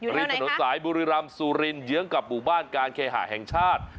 ปริศนสายบุริรามสุรินทร์เยื้องกับบุบ้านการเคหาแห่งชาติ